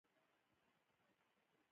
زده کړه د نجونو سیاسي شعور لوړوي.